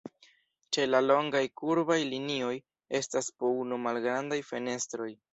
Ĉe la longaj kurbaj linioj estas po unu malgrandaj fenestroj.